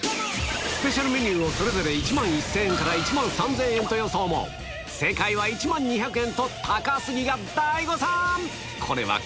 スペシャルメニューをそれぞれ１万１０００円から１万３０００円と予想も、正解は１万２００円と高杉が大誤算。